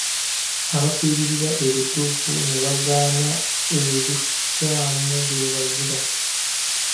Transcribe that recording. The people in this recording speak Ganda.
Abaafiiririra ebituufu ne bagaana ebikyamu be bazira.